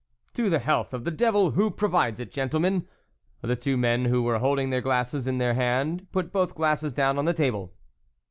" To the health of the devil who pro vides it, gentlemen." The two men who were holding their glasses in their hand, put both glasses down on the table.